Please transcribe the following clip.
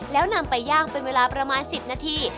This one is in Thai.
แล้วนำไปย่างเป็นเวลาประมาณ๑๐นาที